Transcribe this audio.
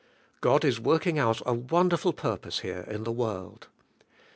God is working out a wonderful purpose here in the v/orld.